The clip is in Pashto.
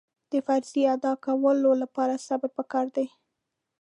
د فریضې ادا کولو لپاره صبر پکار دی.